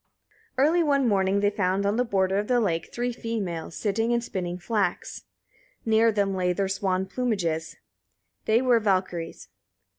Early one morning they found on the border of the lake three females sitting and spinning flax. Near them lay their swan plumages: they were Valkyriur.